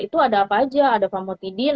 itu ada apa saja ada pamotidin